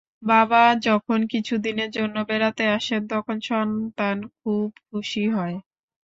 বাবা যখন কিছুদিনের জন্য বেড়াতে আসেন, তখন সন্তান খুব খুশি হয়।